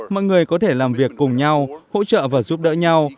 mọi người có thể làm việc cùng nhau hỗ trợ và giúp đỡ nhau